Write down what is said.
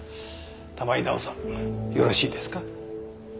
玉井奈緒さんよろしいですか？